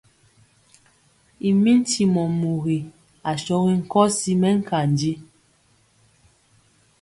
I mi ntimɔ mugi asɔgi nkɔsi mɛnkanji.